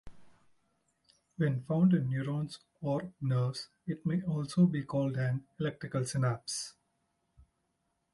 When found in neurons or nerves it may also be called an electrical synapse.